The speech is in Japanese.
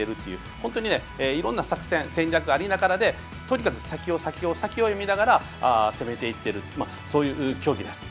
本当にいろんな作戦戦略がありながらとにかく先を、先を読んで攻めていっているというそういう競技です。